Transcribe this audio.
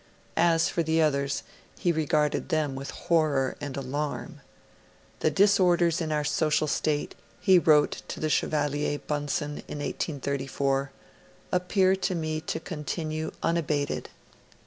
As for the others, he regarded them with horror and alarm. 'The disorders in our social state,' he wrote to the Chevalier Bunsen in 1834, 'appear to me to continue unabated.